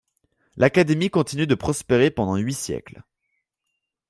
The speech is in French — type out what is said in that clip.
L'académie continue de prospérer pendant huit siècles.